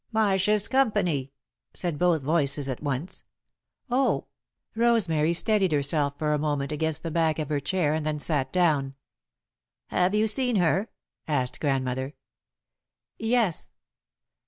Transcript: "Marshs' company," said both voices at once. "Oh!" Rosemary steadied herself for a moment against the back of her chair and then sat down. "Have you seen her?" asked Grandmother. "Yes."